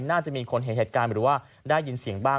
น่าจะมีคนเห็นเหตุการณ์หรือว่าได้ยินเสียงบ้าง